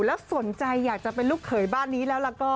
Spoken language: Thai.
แล้วสนใจอยากจะเป็นลูกเขยบ้านนี้แล้วก็